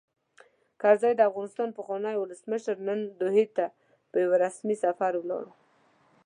کرزی؛ د افغانستان پخوانی ولسمشر، نن دوحې ته په یوه رسمي سفر ولاړ.